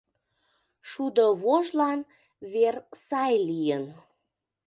Шудо вожлан вер сай лийын.